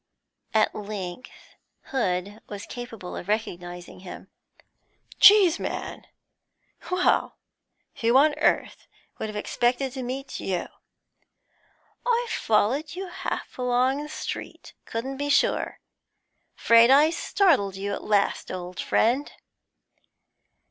At length Hood was capable of recognising him. 'Cheeseman! Well, who on earth would have expected to meet you!' 'I've followed you half along the street; couldn't be sure. Afraid I startled you at last, old friend.'